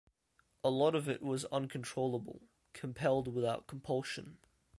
A lot of it was uncontrollable-compelled without compulsion.